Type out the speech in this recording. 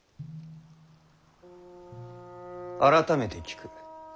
改めて聞く。